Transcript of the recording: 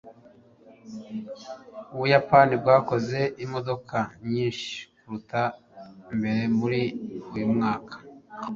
Ubuyapani bwakoze imodoka nyinshi kuruta mbere muri uyu mwaka